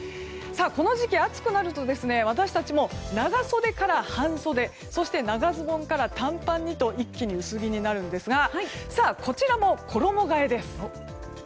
この時期、暑くなると私たちも長袖から半袖そして長ズボンから短パンにと一気に薄着になるんですがこちらも衣替えです。